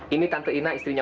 ini tante ina istrinya